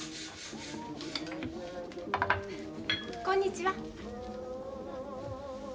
こんにちは。